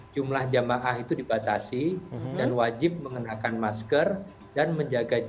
jumlah jamaah itu dibatasi dan wajib mengenakan masker dan menjaga jarak